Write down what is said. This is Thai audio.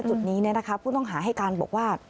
จุดนี้เนี่ยนะคะผู้ต้องหาให้การบอกว่า